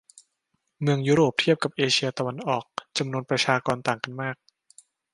เมืองยุโรปเทียบกับเอเชียตะวันออก จำนวนประชากรต่างกันมาก